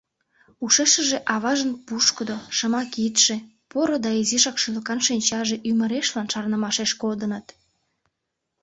Ушешыже аважын пушкыдо, шыма кидше, поро да изишак шӱлыкан шинчаже ӱмырешлан шарнымашеш кодыныт...